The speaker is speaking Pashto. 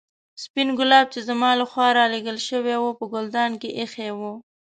سپين ګلاب چې زما له خوا رالېږل شوي وو په ګلدان کې ایښي وو.